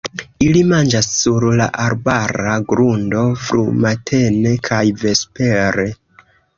Ili manĝas sur la arbara grundo frumatene kaj vespere.